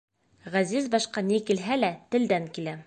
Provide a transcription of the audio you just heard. Ғәзиз башҡа ни килһә лә, телдән килә.